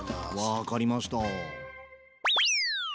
分かりました。